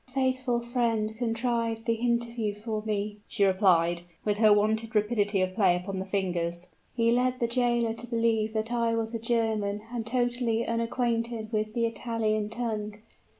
"A faithful friend contrived the interview for me," she replied, with her wonted rapidity of play upon the fingers. "He led the jailer to believe that I was a German, and totally unacquainted with the Italian tongue.